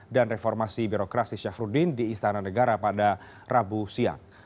dan reformasi birokrasi syafruddin di istana negara pada rabu siang